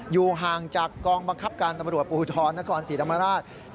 อยู่ห่างจากกองบังคับการตำรวจภูทรนครศรีธรรมราช